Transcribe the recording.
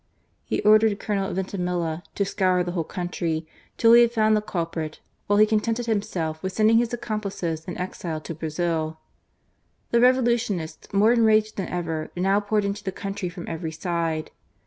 He ordered Colonel Vintimilla to scour the whole country, till he had found the culprit, while he con tented himself with sending his accomplices in exile to Brazil. The Revolutionists, more enraged than ever, now poured into the country from every side.